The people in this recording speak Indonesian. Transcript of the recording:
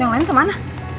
yang lain kemana